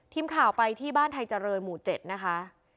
ทีมข่าวไปที่บ้านไทยเจริญหมู่๗นะคะ